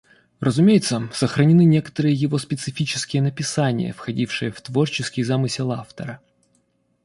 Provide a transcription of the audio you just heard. Разумеется, сохранены некоторые его специфические написания, входившие в творческий замысел автора.